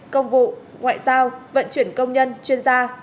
công vụ ngoại giao vận chuyển công nhân chuyên gia